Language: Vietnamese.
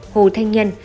hồ thanh nhân